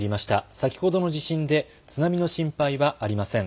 先ほどの地震で津波の心配はありません。